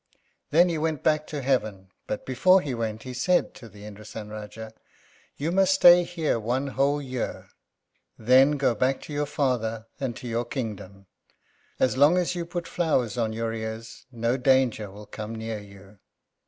Then he went back to heaven, but before he went he said to the Indrásan Rájá "You must stay here one whole year; then go back to your father and to your kingdom. As long as you put flowers on your ears no danger will come near you."